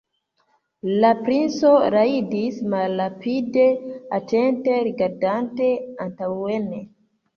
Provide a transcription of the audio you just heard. La princo rajdis malrapide, atente rigardante antaŭen.